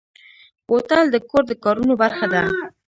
بوتل د کور د کارونو برخه ده.